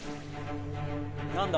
・何だ？